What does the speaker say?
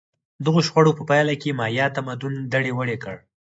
دغو شخړو په پایله کې مایا تمدن دړې وړې کړ